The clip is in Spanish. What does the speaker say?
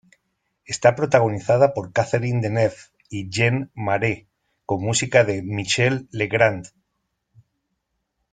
Está protagonizada por Catherine Deneuve y Jean Marais, con música de Michel Legrand.